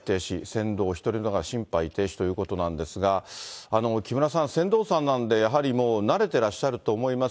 船頭お１人の方、心肺停止ということなんですが、木村さん、船頭さんなんで、やはり慣れてらっしゃると思います。